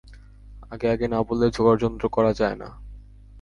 আগে-আগে না বললে জোগাড়যন্ত্র করা যায় না।